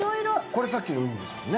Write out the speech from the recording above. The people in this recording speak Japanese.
これさっきのウニですもんね。